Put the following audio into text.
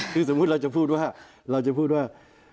คือสมมุติเราจะพูดว่า